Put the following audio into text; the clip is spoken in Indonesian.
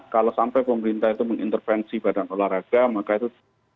kalau sampai pemerintah itu mengintervensi badan olahraga maka itu